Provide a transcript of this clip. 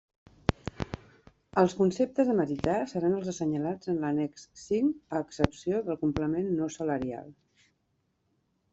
Els conceptes a meritar seran els assenyalats en l'annex V a excepció del complement no salarial.